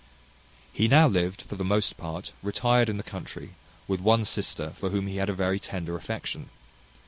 He now lived, for the most part, retired in the country, with one sister, for whom he had a very tender affection.